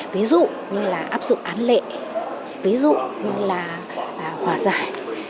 ví dụ như là áp dụng án lệ ví dụ như là hòa giải